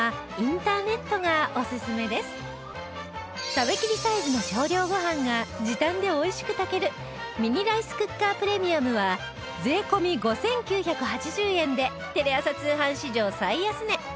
食べきりサイズの少量ご飯が時短で美味しく炊けるミニライスクッカープレミアムは税込５９８０円でテレ朝通販史上最安値